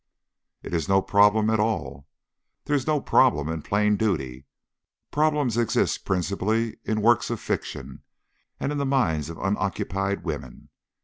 "It is no problem at all. There is no problem in plain duty. Problems exist principally in works of fiction and in the minds of unoccupied women.